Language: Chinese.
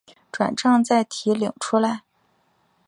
转帐再提领出来